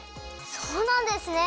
そうなんですね！